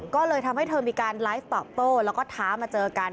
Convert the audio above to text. ก็เลยทำให้เธอมีการไลฟ์ตอบโต้แล้วก็ท้ามาเจอกัน